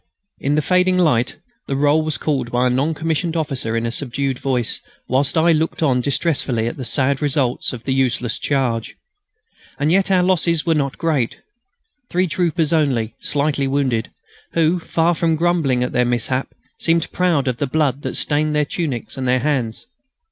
In the fading light the roll was called by a non commissioned officer in a subdued voice, whilst I looked on distressfully at the sad results of the useless charge. And yet our losses were not great three troopers only, slightly wounded, who, far from grumbling at their mishap, seemed proud of the blood that stained their tunics and their hands.